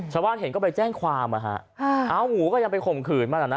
ชาวบ้านเห็นก็ไปแจ้งความนะฮะเอาหมูก็ยังไปข่มขืนมันอ่ะนะ